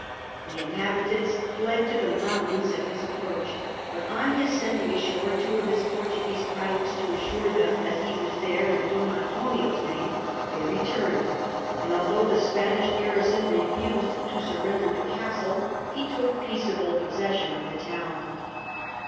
The inhabitants fled to the mountains at hi^ approach, but on his sending ashore two of his Portuguese pilots to assure them that he was there in Don Antonio's name they returned, and although the Spanish garrison refused XII FAILURE i8s to surrender the castle, he took peaceable possession of the town.